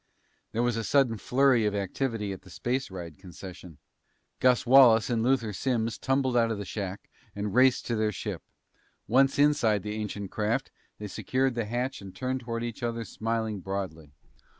There was a sudden flurry of activity at the space ride concession. Gus Wallace and Luther Simms tumbled out of the shack and raced into their ship. Once inside the ancient craft, they secured the hatch and turned toward each other smiling broadly.